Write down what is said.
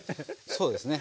そうですね。